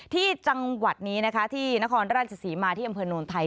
ที่จังหวัดนี้นะคะที่นครราชศรีมาที่อำเภอโนนไทย